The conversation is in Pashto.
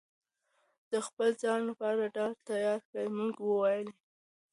د خپل ځان لپاره ډال تيار کړئ!! مونږ وويل: